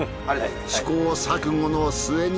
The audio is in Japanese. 試行錯誤の末に。